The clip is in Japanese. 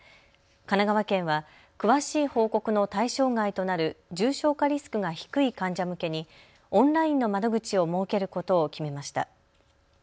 神奈川県は詳しい報告の対象外となる重症化リスクが低い患者向けにオンラインの窓口を設けることを決めました。